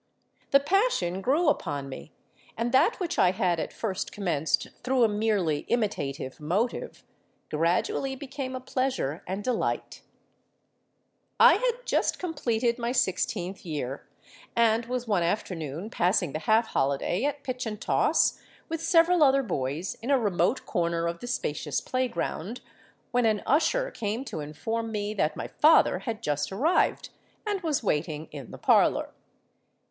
The passion grew upon me; and that which I had at first commenced through a merely imitative motive, gradually became a pleasure and delight. "I had just completed my sixteenth year, and was one afternoon passing the half holiday at pitch and toss with several other boys in a remote corner of the spacious play ground, when an usher came to inform me that my father had just arrived, and was waiting in the parlour.